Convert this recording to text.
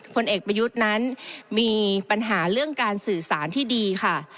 ผลเอกประยุทธ์นั้นมีปัญหาเรื่องการสื่อสารที่ดีค่ะ